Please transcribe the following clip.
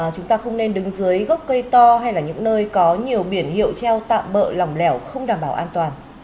chúng ta không nên đứng dưới gốc cây to hay là những nơi có nhiều biển hiệu treo tạm bỡ lỏng lẻo không đảm bảo an toàn